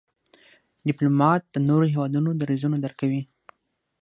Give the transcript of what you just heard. ډيپلومات د نورو هېوادونو دریځونه درک کوي.